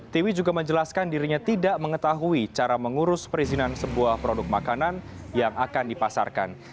tiwi juga menjelaskan dirinya tidak mengetahui cara mengurus perizinan sebuah produk makanan yang akan dipasarkan